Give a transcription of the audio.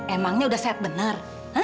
emangnya udah sehat bener